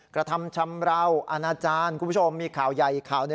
กระทำชำราวอาณาจารย์คุณผู้ชมมีข่าวใหญ่อีกข่าวหนึ่ง